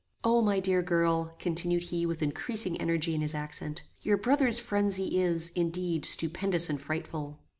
"O my dear girl!" continued he with increasing energy in his accent, "your brother's phrenzy is, indeed, stupendous and frightful.